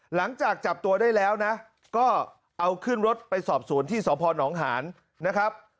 หลังจากจับตัวได้แล้วนะก็เอาขึ้นรถไปสอบสวนที่สพนหานนะครับ